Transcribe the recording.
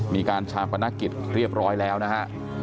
มีการชาวพนักกิจเรียบร้อยแล้วนะฮะ